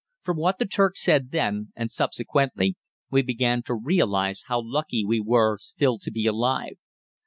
From what the Turk said then, and subsequently, we began to realize how lucky we were still to be alive.